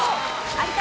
有田